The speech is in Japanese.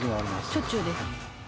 しょっちゅうです。